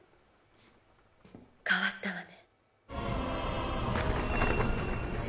変わったわね。